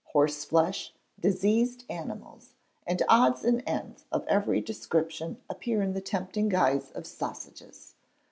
Horseflesh, diseased animals, and odds and ends of every description appear in the tempting guise of "sausages."